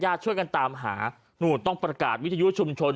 และญาติช่วยกันตามหาต้องประกาศวิทยุชุมชน